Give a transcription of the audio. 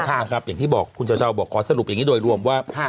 อย่างที่บอกคุณเช้าบอกขอสรุปอย่างนี้โดยรวมว่า